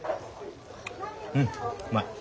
うんうまい。